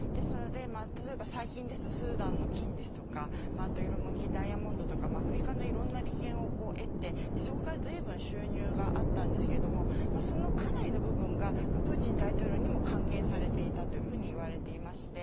例えば、最近ですとスーダンの金とかダイヤモンドとかアフリカのいろんな利権を得てそこから、ずいぶん収入があったんですけどそのかなりの部分がプーチン大統領にも還元されていたと言われていまして。